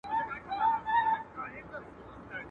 له احتیاجه چي سي خلاص بادار د قام وي..